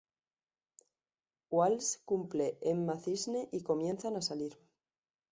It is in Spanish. Walsh cumple Emma Cisne y comienzan a salir.